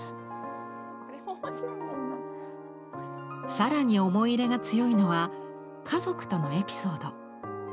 更に思い入れが強いのは家族とのエピソード。